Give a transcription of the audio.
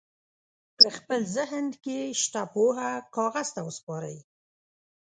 په خپل ذهن کې شته پوهه کاغذ ته وسپارئ.